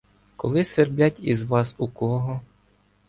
Коли сверблять із вас у кого